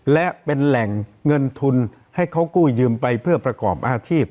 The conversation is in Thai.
และเป็นแหล่งเงินทุนให้เขากู้ยืมไปเพื่อประกอบอาชีพ